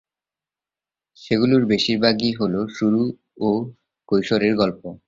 সেগুলোর বেশিরভাগই হল শুরু ও কৈশোরের গল্প।